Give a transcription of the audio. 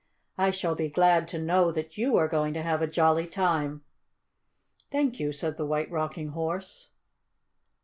I shall be glad to know that you are going to have a jolly time." "Thank you," said the White Rocking Horse.